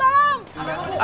ada apa mbak